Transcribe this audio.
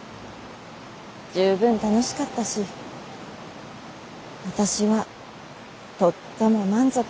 十分楽しかったし私はとっても満足。